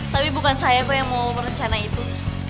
tapi bukan saya kok yang mau merencana itu